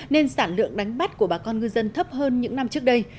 nên sản lượng đánh bắt của bà con ngư dân thấp hơn những năm trước đây